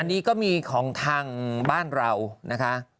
อันนี้ก็มีของทางบ้านเรานะคะ